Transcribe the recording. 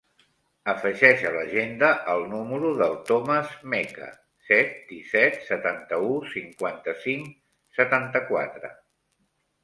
Afegeix a l'agenda el número del Thomas Meca: set, disset, setanta-u, cinquanta-cinc, setanta-quatre.